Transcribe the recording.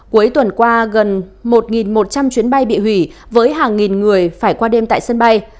cuối tuần qua gần một một trăm linh chuyến bay bị hủy với hàng nghìn người phải qua đêm tại sân bay